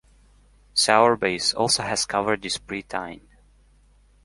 Sour Base also has covered Despre Tine.